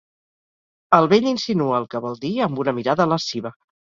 El vell insinua el que vol dir amb una mirada lasciva.